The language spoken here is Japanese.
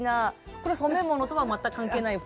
これ染め物とは全く関係ない服？